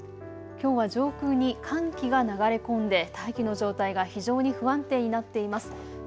きょうは上空に寒気が流れ込んで大気の状態が非常に不安定になっています。